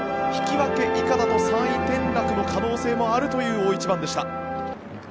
引き分け以下だと３位転落の可能性もあるという大一番でした。